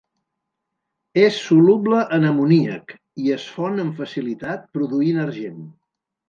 És soluble en amoníac i es fon amb facilitat produint argent.